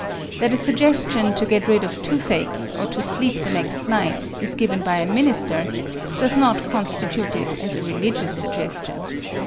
That a suggestion to get rid of toothache, or to sleep the next night, is given by a minister, does not constitute it as a religious suggestion.